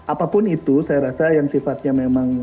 apapun itu saya rasa yang sifatnya memang